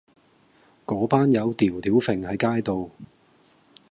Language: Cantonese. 嗰班友吊吊揈喺街度